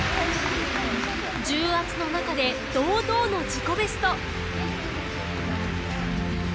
重圧の中で堂々の自己ベスト。